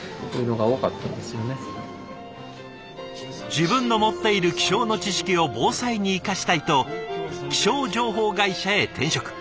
自分の持っている気象の知識を防災に生かしたいと気象情報会社へ転職。